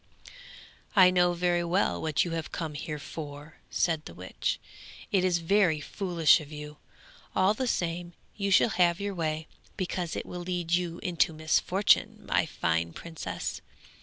'I know very well what you have come here for,' said the witch. 'It is very foolish of you! all the same you shall have your way, because it will lead you into misfortune, my fine princess.